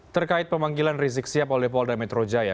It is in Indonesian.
terkait pemanggilan reziksiap oleh polda metro jaya